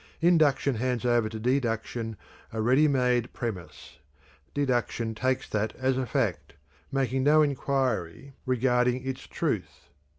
Induction hands over to deduction a ready made premise. Deduction takes that as a fact, making no inquiry regarding its truth.